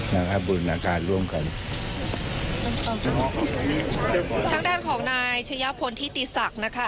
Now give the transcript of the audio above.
นะครับบูรณอาการร่วมกันทางด้านของนายชะยะพลทิติศักดิ์นะคะ